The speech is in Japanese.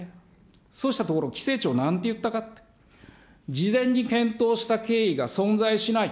そうしたところ、規制庁なんて言ったか、事前に検討した経緯が存在しない。